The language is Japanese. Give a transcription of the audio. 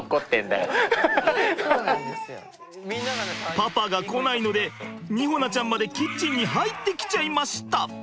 パパが来ないので美穂菜ちゃんまでキッチンに入ってきちゃいました。